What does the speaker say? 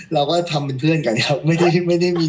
เราก็ทำเป็นเพื่อนกันครับไม่ได้มีชีวิตอะไรครับ